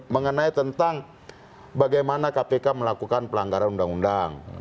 mengenai tentang bagaimana kpk melakukan pelanggaran undang undang